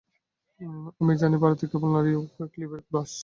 আমি জানি, ভারতে কেবল নারী ও ক্লীবের বাস।